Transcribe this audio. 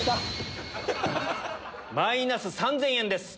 マイナス３０００円です。